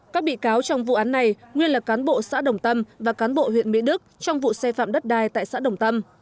các bị cáo trong vụ án này nguyên là cán bộ xã đồng tâm và cán bộ huyện mỹ đức trong vụ xe phạm đất đai tại xã đồng tâm